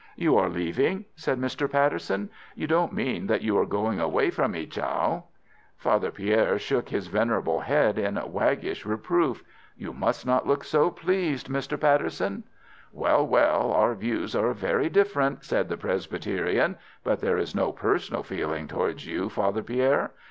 "You are leaving?" said Mr. Patterson. "You don't mean that you are going away from Ichau?" Father Pierre shook his venerable head in waggish reproof. "You must not look so pleased, Mr. Patterson." "Well, well, our views are very different," said the Presbyterian, "but there is no personal feeling towards you, Father Pierre.